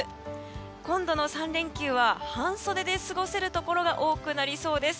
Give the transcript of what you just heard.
今度の３連休は半袖で過ごせるところが多くなりそうです。